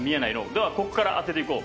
ではこっから当てていこう。